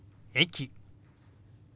「駅」。